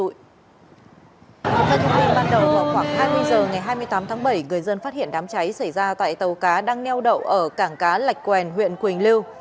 theo thông tin ban đầu vào khoảng hai mươi h ngày hai mươi tám tháng bảy người dân phát hiện đám cháy xảy ra tại tàu cá đang neo đậu ở cảng cá lạch quèn huyện quỳnh lưu